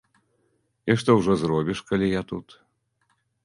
І што ўжо зробіш, калі я тут.